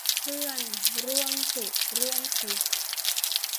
เพื่อนร่วมสุขร่วมทุกข์